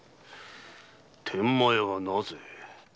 天満屋はなぜ？